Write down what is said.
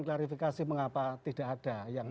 klarifikasi mengapa tidak ada yang